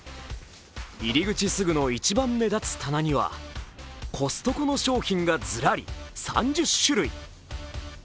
入り口すぐの一番目立つ棚にはコストコの商品がずらり３０種類。